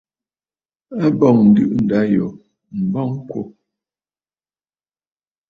A bɔŋ ǹdɨ̀ʼɨ ndâ yò m̀bɔŋ kwo.